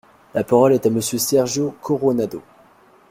La parole est à Monsieur Sergio Coronado.